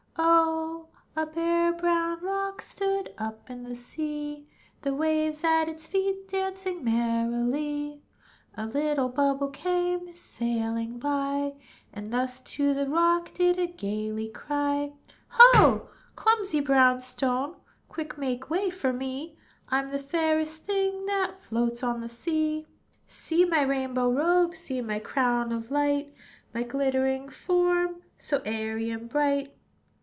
Oh! a bare, brown rock Stood up in the sea, The waves at its feet Dancing merrily. A little bubble Came sailing by, And thus to the rock Did it gayly cry, "Ho! clumsy brown stone, Quick, make way for me: I'm the fairest thing That floats on the sea. "See my rainbow robe, See my crown of light, My glittering form, So airy and bright.